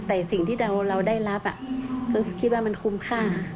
แต่สิ่งที่เราได้รับก็คิดว่ามันคุ้มค่า